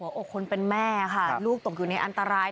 อกคนเป็นแม่ค่ะลูกตกอยู่ในอันตราย